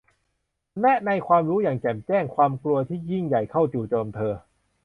และในความรู้อย่างแจ่มแจ้ง ความกลัวที่ยิ่งใหญ่เข้าจู่โจมเธอ